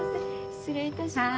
失礼いたします。